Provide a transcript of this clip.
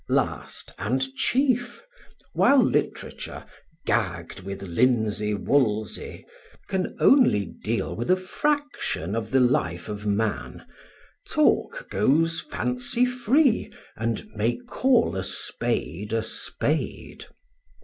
Last and chief, while literature, gagged with linsey woolsey, can only deal with a fraction of the life of man, talk goes fancy free and may call a spade a spade.